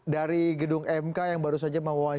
baik terima kasih berlangganan